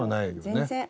全然。